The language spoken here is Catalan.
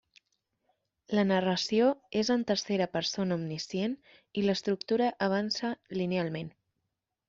La narració és en tercera persona omniscient i l'estructura avança linealment.